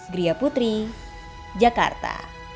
gria putri jakarta